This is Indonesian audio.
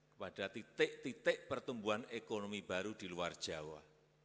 kepada titik titik pertumbuhan ekonomi baru di luar jawa